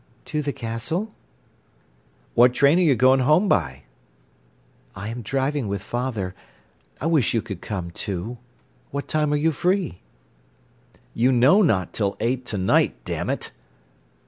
"To the Castle." "What train are you going home by?" "I am driving with father. I wish you could come too. What time are you free?" "You know not till eight to night, damn it!"